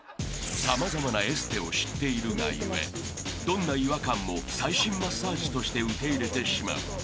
［様々なエステを知っているがゆえどんな違和感も最新マッサージとして受け入れてしまう］